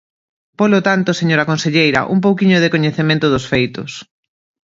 Polo tanto, señora conselleira, un pouquiño de coñecemento dos feitos.